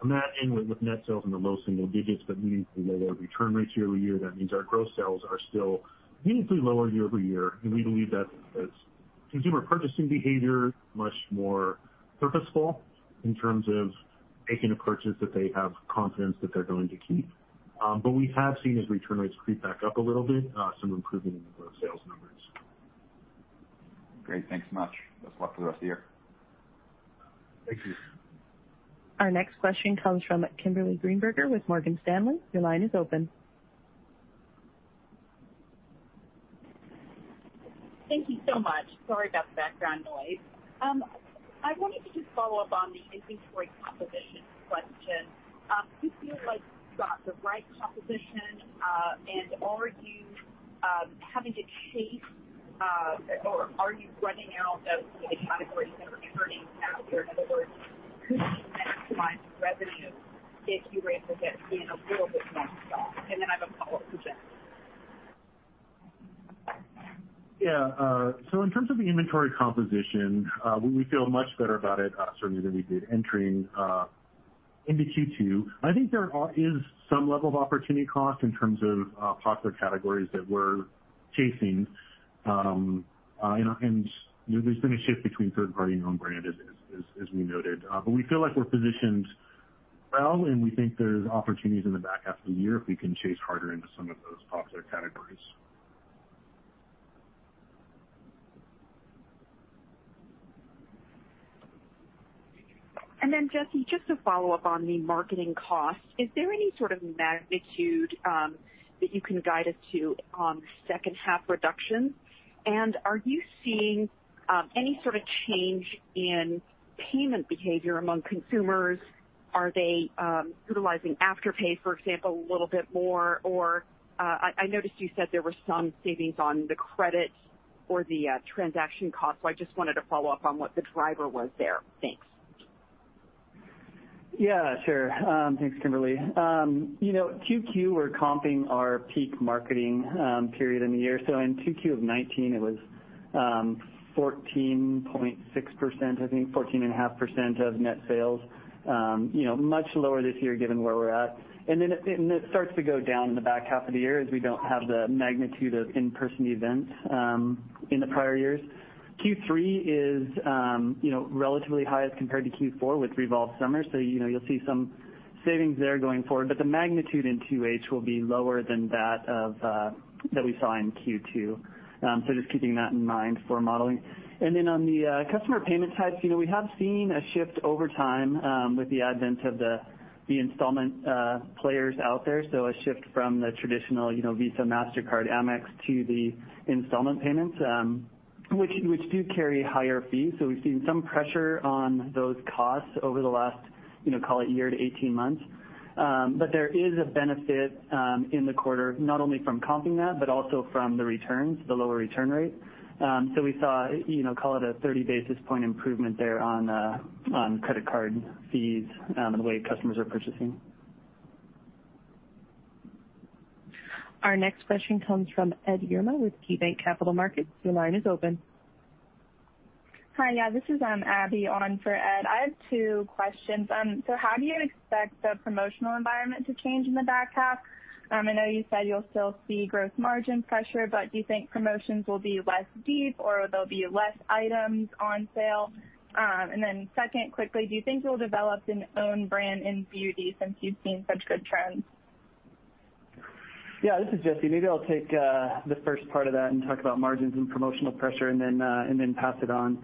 imagine with net sales in the low single digits, but meaningfully lower return rates year-over-year, that means our gross sales are still meaningfully lower year-over-year. And we believe that consumer purchasing behavior is much more purposeful in terms of making a purchase that they have confidence that they're going to keep. But we have seen, as return rates creep back up a little bit, some improvement in the gross sales numbers. Great. Thanks so much. Best of luck for the rest of the year. Thank you. Our next question comes from Kimberly Greenberger with Morgan Stanley. Your line is open. Thank you so much. Sorry about the background noise. I wanted to just follow up on the inventory composition question. Do you feel like you've got the right composition, and are you having to chase or are you running out of some of the categories that are turning faster? In other words, could you maximize revenue if you were able to get in a little bit more stock? And then I have a follow-up for Jesse. Yeah. So in terms of the inventory composition, we feel much better about it certainly than we did entering into Q2. I think there is some level of opportunity cost in terms of popular categories that we're chasing. And there's been a shift between third-party and own brand, as we noted. But we feel like we're positioned well, and we think there's opportunities in the back half of the year if we can chase harder into some of those popular categories. And then, Jesse, just to follow up on the marketing cost, is there any sort of magnitude that you can guide us to on second-half reductions? And are you seeing any sort of change in payment behavior among consumers? Are they utilizing Afterpay, for example, a little bit more? Or I noticed you said there were some savings on the credit or the transaction cost. So I just wanted to follow up on what the driver was there. Thanks. Yeah, sure. Thanks, Kimberly. Q2, we're comping our peak marketing period in the year. So in Q2 of 2019, it was 14.6%, I think 14.5% of net sales, much lower this year given where we're at. Then it starts to go down in the back half of the year as we don't have the magnitude of in-person events in the prior years. Q3 is relatively high as compared to Q4 with Revolve Summer. So you'll see some savings there going forward. But the magnitude in Q3 will be lower than that we saw in Q2. So just keeping that in mind for modeling. Then on the customer payment side, we have seen a shift over time with the advent of the installment players out there. So a shift from the traditional Visa Mastercard, Amex to the installment payments, which do carry higher fees. So we've seen some pressure on those costs over the last, call it, year to 18 months. But there is a benefit in the quarter, not only from comping that, but also from the returns, the lower return rate. So we saw, call it, a 30 basis point improvement there on credit card fees and the way customers are purchasing. Our next question comes from Ed Yruma with KeyBanc Capital Markets. Your line is open. Hi, yeah, this is Abbey on for Ed. I have two questions. So how do you expect the promotional environment to change in the back half? I know you said you'll still see gross margin pressure, but do you think promotions will be less deep or there'll be less items on sale? And then second, quickly, do you think you'll develop an own brand in beauty since you've seen such good trends? Yeah, this is Jesse. Maybe I'll take the first part of that and talk about margins and promotional pressure and then pass it on.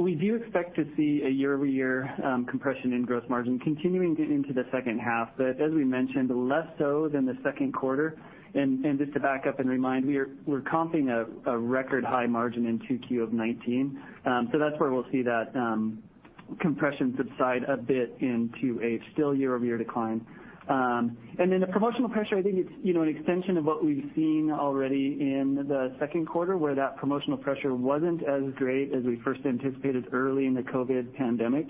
We do expect to see a year-over-year compression in gross margin continuing into the second half, but as we mentioned, less so than the second quarter, and just to back up and remind, we're comping a record high margin in Q2 of 2019, so that's where we'll see that compression subside a bit into a still year-over-year decline, and then the promotional pressure, I think it's an extension of what we've seen already in the second quarter where that promotional pressure wasn't as great as we first anticipated early in the COVID pandemic,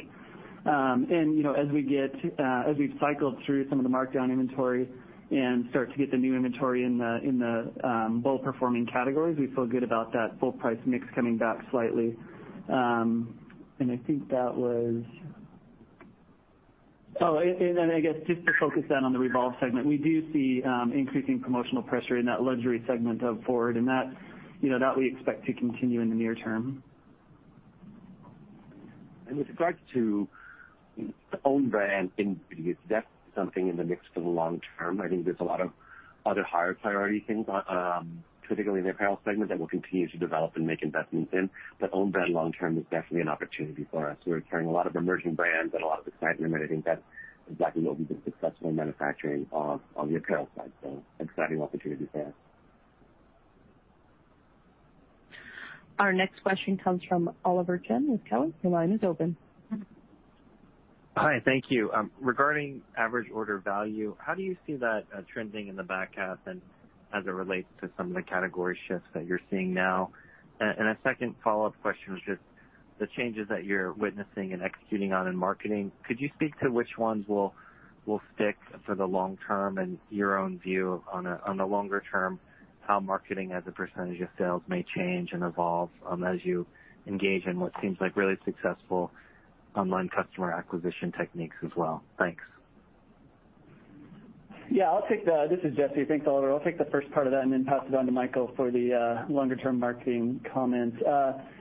and as we've cycled through some of the markdown inventory and start to get the new inventory in the well-performing categories, we feel good about that full price mix coming back slightly. And I think that was, oh, and then I guess just to focus that on the Revolve segment, we do see increasing promotional pressure in that luxury segment of Forward, and that we expect to continue in the near term. And with regards to the own brand in beauty, is that something in the mix for the long term? I think there's a lot of other higher priority things, particularly in the apparel segment that we'll continue to develop and make investments in. But own brand long term is definitely an opportunity for us. We're carrying a lot of emerging brands and a lot of excitement, and I think that's exactly what we've been successful in manufacturing on the apparel side. So exciting opportunity for us. Our next question comes from Oliver Chen with Cowen. Your line is open. Hi, thank you. Regarding average order value, how do you see that trending in the back half and as it relates to some of the category shifts that you're seeing now? And a second follow-up question was just the changes that you're witnessing and executing on in marketing. Could you speak to which ones will stick for the long term and your own view on the longer term, how marketing as a percentage of sales may change and evolve as you engage in what seems like really successful online customer acquisition techniques as well? Thanks. Yeah, I'll take the, this is Jesse. Thanks, Oliver. I'll take the first part of that and then pass it on to Michael for the longer-term marketing comments.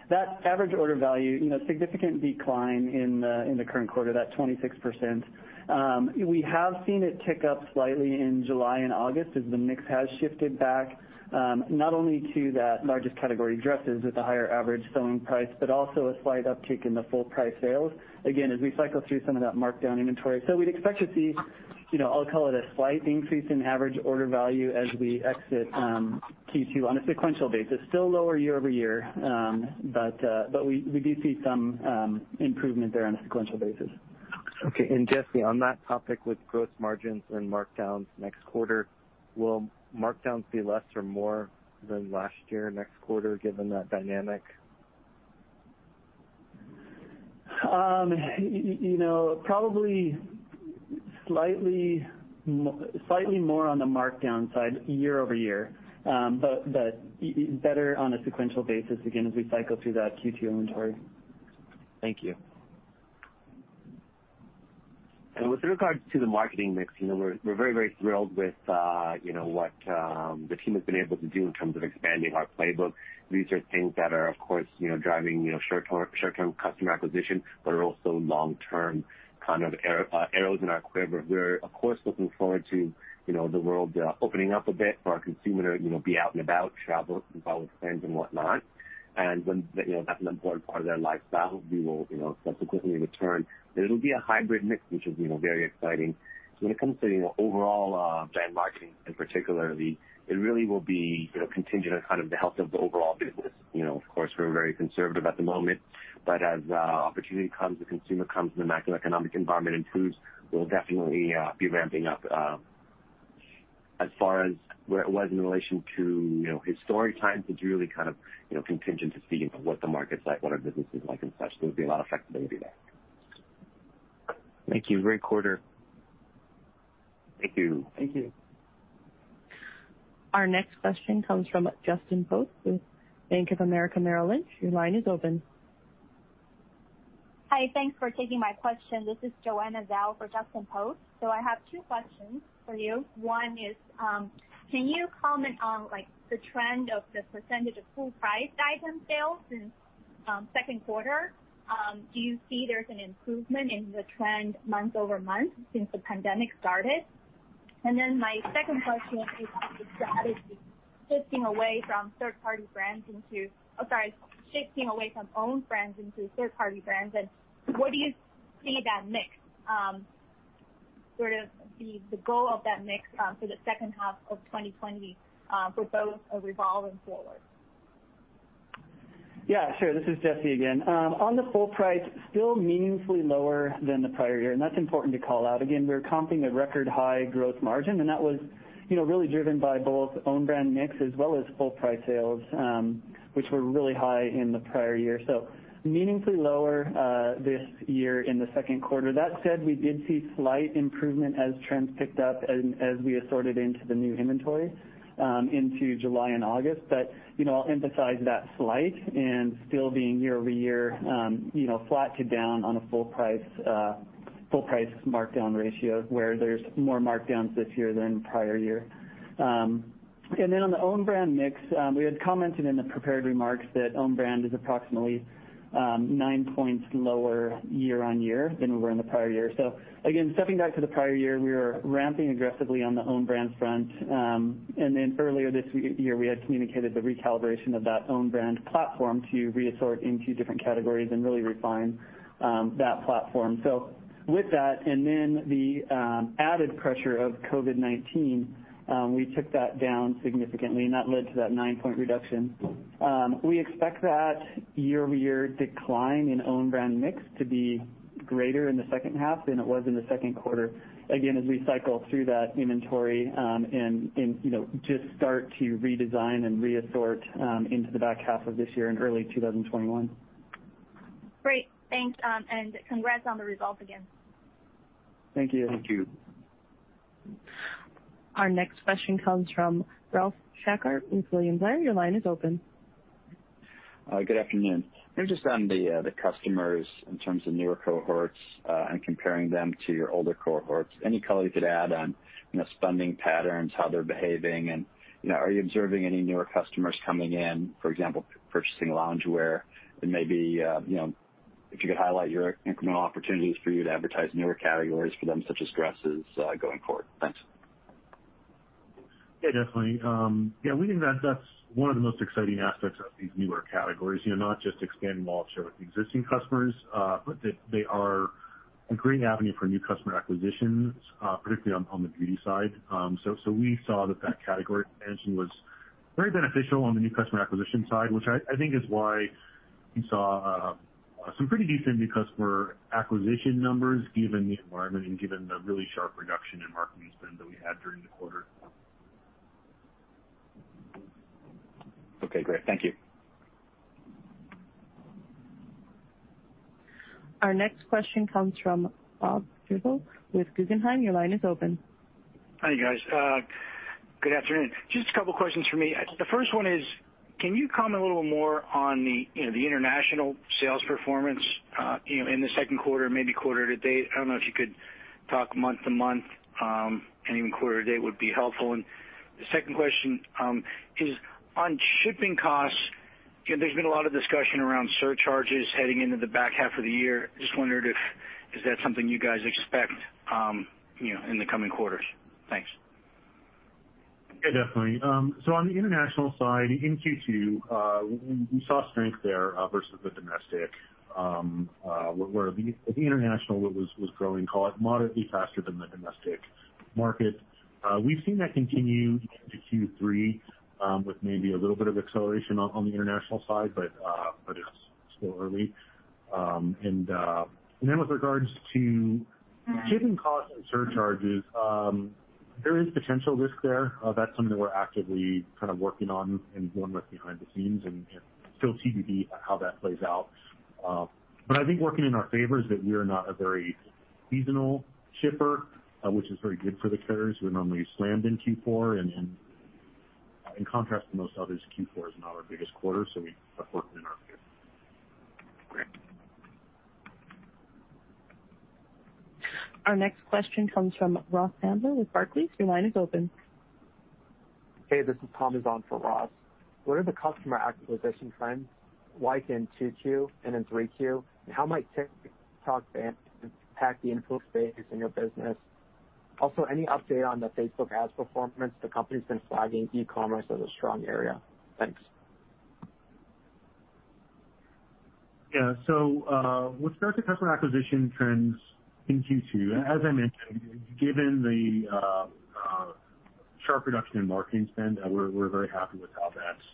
That average order value, significant decline in the current quarter, that 26%. We have seen it tick up slightly in July and August as the mix has shifted back, not only to that largest category dresses with a higher average selling price, but also a slight uptick in the full price sales. Again, as we cycle through some of that markdown inventory. So we'd expect to see, I'll call it a slight increase in average order value as we exit Q2 on a sequential basis. Still lower year-over-year, but we do see some improvement there on a sequential basis. Okay. And Jesse, on that topic with gross margins and markdowns next quarter, will markdowns be less or more than last year next quarter given that dynamic? Probably slightly more on the markdown side year-over-year, but better on a sequential basis again as we cycle through that Q2 inventory. Thank you. And with regards to the marketing mix, we're very, very thrilled with what the team has been able to do in terms of expanding our playbook. These are things that are, of course, driving short-term customer acquisition, but are also long-term kind of arrows in our quiver where we're, of course, looking forward to the world opening up a bit for our consumer to be out and about, travel, involve with friends and whatnot. And that's an important part of their lifestyle. We will subsequently return. But it'll be a hybrid mix, which is very exciting. So when it comes to overall brand marketing in particular, it really will be contingent on kind of the health of the overall business. Of course, we're very conservative at the moment. But as opportunity comes, the consumer comes, and the macroeconomic environment improves, we'll definitely be ramping up. As far as where it was in relation to historic times, it's really kind of contingent to see what the market's like, what our business is like and such. There'll be a lot of flexibility there. Thank you. Great quarter. Thank you. Thank you. Our next question comes from Justin Post with Bank of America Merrill Lynch. Your line is open. Hi, thanks for taking my question. This is Joanne Zhao for Justin Post. So I have two questions for you. One is, can you comment on the trend of the percentage of full price item sales in second quarter? Do you see there's an improvement in the trend month over month since the pandemic started? And then my second question is about the strategy shifting away from third-party brands into, oh, sorry, shifting away from own brands into third-party brands. And what do you see that mix sort of the goal of that mix for the second half of 2020 for both of Revolve and Forward? Yeah, sure. This is Jesse again. On the full price, still meaningfully lower than the prior year. And that's important to call out. Again, we're comping a record high gross margin, and that was really driven by both own brand mix as well as full price sales, which were really high in the prior year. So meaningfully lower this year in the second quarter. That said, we did see slight improvement as trends picked up and as we assorted into the new inventory into July and August. But I'll emphasize that slight and still being year-over-year flat to down on a full price markdown ratio where there's more markdowns this year than prior year. And then on the own brand mix, we had commented in the prepared remarks that own brand is approximately nine points lower year-on-year than we were in the prior year. So again, stepping back to the prior year, we were ramping aggressively on the own brand front. And then earlier this year, we had communicated the recalibration of that own brand platform to reassort into different categories and really refine that platform. So with that, and then the added pressure of COVID-19, we took that down significantly, and that led to that nine-point reduction. We expect that year-over-year decline in own brand mix to be greater in the second half than it was in the second quarter. Again, as we cycle through that inventory and just start to redesign and reassort into the back half of this year and early 2021. Great. Thanks. And congrats on the results again. Thank you. Thank you. Our next question comes from Ralph Schackart with William Blair. Your line is open. Good afternoon. Maybe just on the customers in terms of newer cohorts and comparing them to your older cohorts. Any color you could add on spending patterns, how they're behaving, and are you observing any newer customers coming in, for example, purchasing loungewear? And maybe if you could highlight your incremental opportunities for you to advertise newer categories for them, such as dresses, going forward. Thanks. Yeah, definitely. Yeah, we think that that's one of the most exciting aspects of these newer categories, not just expanding wallet share with existing customers, but they are a great avenue for new customer acquisitions, particularly on the beauty side. So we saw that that category expansion was very beneficial on the new customer acquisition side, which I think is why we saw some pretty decent new customer acquisition numbers given the environment and given the really sharp reduction in marketing spend that we had during the quarter. Okay, great. Thank you. Our next question comes from Robert Drbul with Guggenheim. Your line is open. Hi, guys. Good afternoon. Just a couple of questions for me. The first one is, can you comment a little more on the international sales performance in the second quarter, maybe quarter to date? I don't know if you could talk month to month, and even quarter to date would be helpful. And the second question is on shipping costs. There's been a lot of discussion around surcharges heading into the back half of the year. Just wondered if that's something you guys expect in the coming quarters. Thanks. Yeah, definitely. So on the international side, in Q2, we saw strength there versus the domestic, where the international was growing, call it, moderately faster than the domestic market. We've seen that continue into Q3 with maybe a little bit of acceleration on the international side, but it's still early. And then with regards to shipping costs and surcharges, there is potential risk there. That's something that we're actively kind of working on and going on behind the scenes and still TBD how that plays out. But I think working in our favor is that we're not a very seasonal shipper, which is very good for the carriers. We're normally slammed in Q4. And in contrast to most others, Q4 is not our biggest quarter, so that works in our favor. Great. Our next question comes from Ross Sandler with Barclays. Your line is open. Hey, this is Tom Sampson for Ross. What are the customer acquisition trends? Why in 2Q and in 3Q? And how might TikTok impact the info space in your business? Also, any update on the Facebook ads performance? The company's been flagging e-commerce as a strong area. Thanks. Yeah. So with regards to customer acquisition trends in Q2, as I mentioned, given the sharp reduction in marketing spend, we're very happy with how that's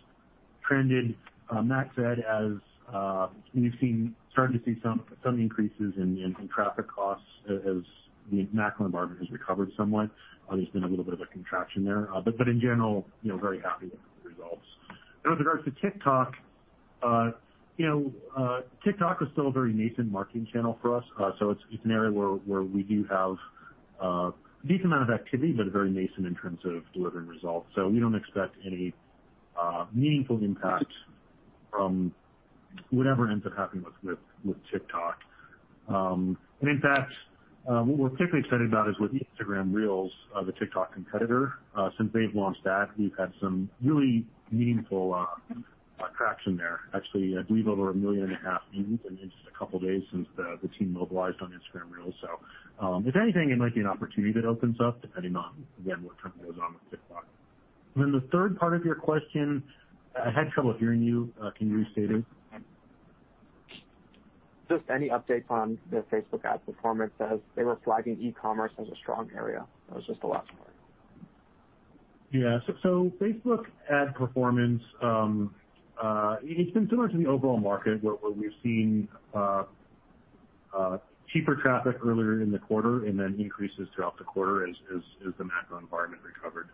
trended. That said, as we've started to see some increases in traffic costs as macro environment has recovered somewhat, there's been a little bit of a contraction there. But in general, very happy with the results. And with regards to TikTok, TikTok was still a very nascent marketing channel for us. So it's an area where we do have a decent amount of activity, but very nascent in terms of delivering results. We don't expect any meaningful impact from whatever ends up happening with TikTok. And in fact, what we're particularly excited about is with Instagram Reels, the TikTok competitor. Since they've launched that, we've had some really meaningful traction there. Actually, I believe over 1.5 million views in just a couple of days since the team mobilized on Instagram Reels. So if anything, it might be an opportunity that opens up, depending on, again, what kind of goes on with TikTok. And then the third part of your question, I had trouble hearing you. Can you restate it? Just any updates on the Facebook ad performance as they were flagging e-commerce as a strong area. That was just a lot more. Yeah. So Facebook ad performance, it's been similar to the overall market where we've seen cheaper traffic earlier in the quarter and then increases throughout the quarter as the macro environment recovered.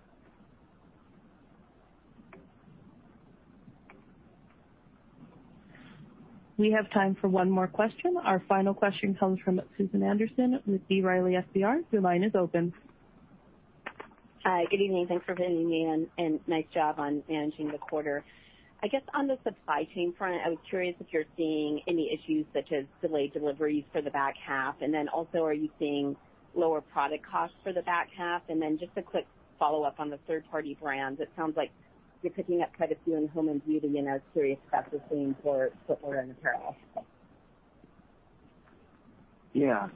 We have time for one more question. Our final question comes from Susan Anderson with B. Riley FBR. Your line is open. Hi, good evening. Thanks for putting me in. And nice job on managing the quarter. I guess on the supply chain front, I was curious if you're seeing any issues such as delayed deliveries for the back half. And then also, are you seeing lower product costs for the back half? And then just a quick follow-up on the third-party brands. It sounds like you're picking up quite a few in home and beauty and are curious about the same for footwear and apparel. Yeah.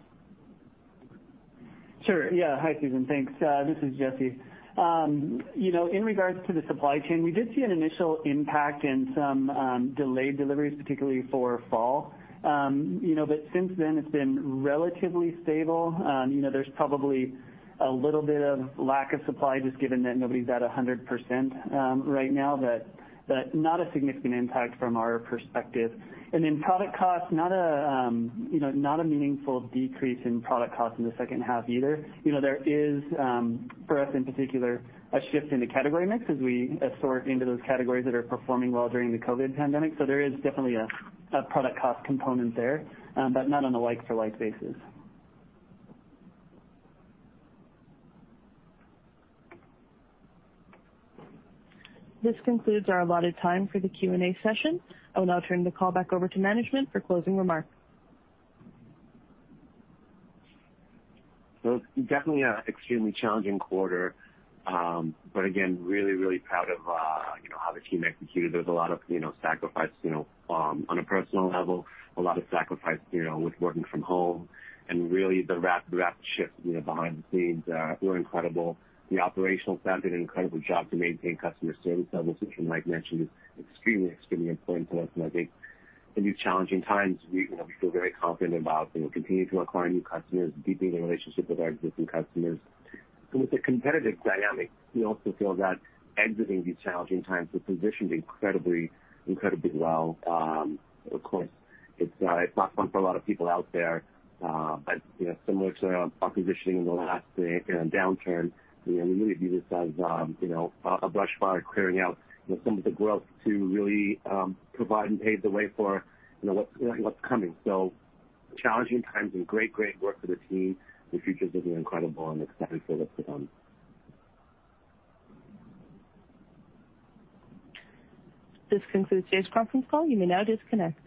Sure. Yeah. Hi, Susan. Thanks. This is Jesse. In regards to the supply chain, we did see an initial impact in some delayed deliveries, particularly for fall. But since then, it's been relatively stable. There's probably a little bit of lack of supply just given that nobody's at 100% right now, but not a significant impact from our perspective, and then product costs, not a meaningful decrease in product costs in the second half either. There is, for us in particular, a shift in the category mix as we assort into those categories that are performing well during the COVID pandemic. So there is definitely a product cost component there, but not on a like-for-like basis. This concludes our allotted time for the Q&A session. I will now turn the call back over to management for closing remarks, So definitely an extremely challenging quarter. But again, really, really proud of how the team executed. There's a lot of sacrifice on a personal level, a lot of sacrifice with working from home. And really, the rapid shift behind the scenes were incredible. The operational staff did an incredible job to maintain customer service levels, which, as Mike mentioned, is extremely, extremely important to us. And I think in these challenging times, we feel very confident about continuing to acquire new customers, deepening the relationship with our existing customers. So with the competitive dynamics, we also feel that exiting these challenging times has positioned incredibly, incredibly well. Of course, it's not fun for a lot of people out there, but similar to our positioning in the last downturn, we really view this as a brush fire clearing out some of the growth to really provide and pave the way for what's coming. So challenging times and great, great work for the team. The future is looking incredible and exciting for the company. This concludes today's conference call. You may now disconnect.